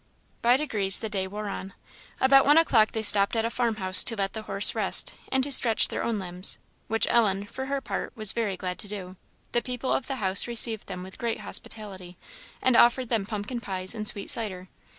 By degrees the day wore on. About one o'clock they stopped at a farmhouse to let the horse rest, and to stretch their own limbs, which Ellen, for her part, was very glad to do. The people of the house received them with great hospitality, and offered them pumpkin pies and sweet cider.